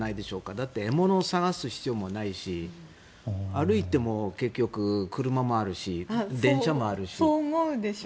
だって、獲物を探す必要もないし歩いても結局、車もあるしそう思うでしょ？